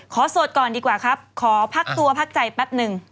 โสดก่อนดีกว่าครับขอพักตัวพักใจแป๊บนึง